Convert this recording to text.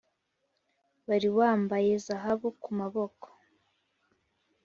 wari wambaye zahabu ku maboko ,